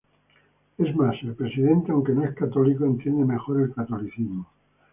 Es más, el Presidente, aunque no es católico, entiende mejor el catolicismo.